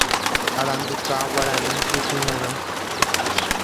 Aranduka Guarani Pytyvõrã.